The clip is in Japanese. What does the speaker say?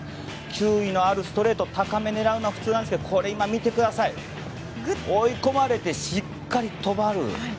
球威のあるストレート高め狙うのが普通なんですけど、見てください追い込まれて、しっかり止まる。